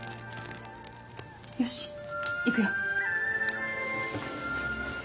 よしいくよ。